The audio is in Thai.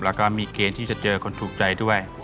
แล้วก็มีเกณฑ์ที่จะเจอคนถูกใจด้วย